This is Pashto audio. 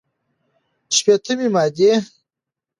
شپېتمې مادې